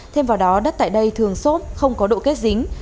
thêm vào đó đất tại đây thường xốp không có độ kết dính